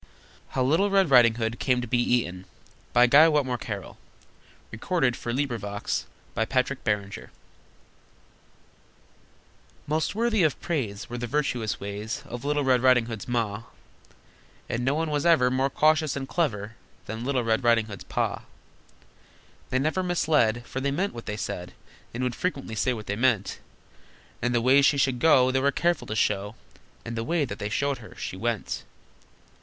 alf sold for half a crown! How Little Red Riding Hood Came to be Eaten Most worthy of praise Were the virtuous ways Of Little Red Riding Hood's Ma, And no one was ever More cautious and clever Than Little Red Riding Hood's Pa. They never misled, For they meant what they said, And would frequently say what they meant, And the way she should go They were careful to show, And the way that they showed her, she went.